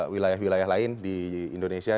wilayah wilayah lain di indonesia